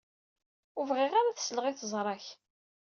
Ur bɣiɣ ara ad sleɣ i teẓra-k.